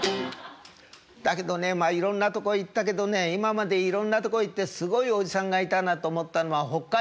だけどねまあいろんなとこ行ったけどね今までいろんなとこ行ってすごいおじさんがいたなと思ったのは北海道。